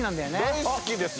大好きです。